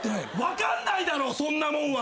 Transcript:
分かんないだろそんなもんは。